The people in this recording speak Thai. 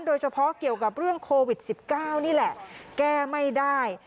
โดยเฉพาะเกี่ยวกับเรื่องโควิด๑๙นี่แหละแก้ไม่ได้